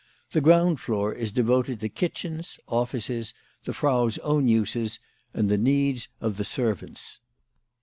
The ground floor is devoted to kitchens, offices, the Frau's own uses, and the needs of the servants.